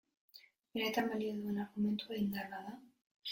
Benetan balio duen argumentua indarra da.